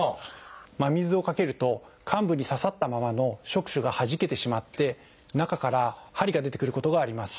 真水をかけると患部に刺さったままの触手がはじけてしまって中から針が出てくることがあります。